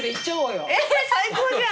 最高じゃん。